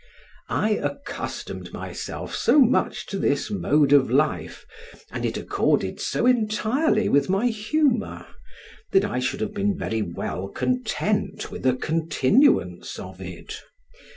I accustomed myself so much to this mode of life, and it accorded so entirely with my humor, that I should have been very well content with a continuance of it.